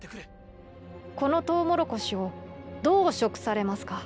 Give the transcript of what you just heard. この「トウモロコシ」をどう食されますか？